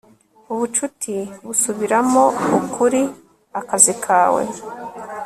ubucuti busubiramo ukuri akazi kawe